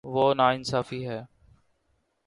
وہ نا انصافی ہے